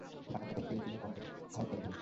বাগান থেকে বেলফুলের গন্ধে ঘর গেল ভরে।